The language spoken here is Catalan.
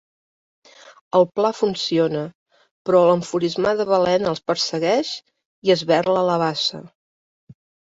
El pla funciona, però l'enfurismada balena els persegueix i esberla la bassa.